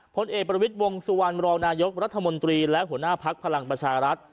ผลเอกประวิทย์วงสุวรรณรองนายกรัฐมนตรีและหัวหน้าภักดิ์พลังประชารัฐ